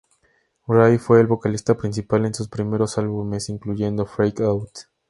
Ray fue el vocalista principal en sus primeros álbumes, incluyendo "Freak Out!